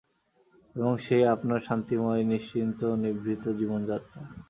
এবং সেই আপনার শান্তিময় নিশ্চিন্ত নিভৃত জীবনযাত্রা।